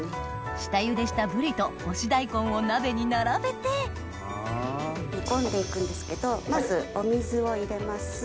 下ゆでしたぶりと干し大根を鍋に並べて煮込んで行くんですけどまずお水を入れます。